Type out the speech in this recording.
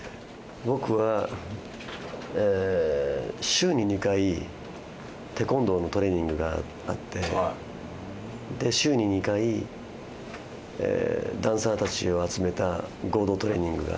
僕は、週に２回、テコンドーのトレーニングがあって、週に２回、ダンサーたちを集めた合同トレーニングが。